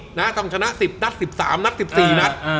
นะต้องชนะ๑๐นัด๑๓นัด๑๔นัด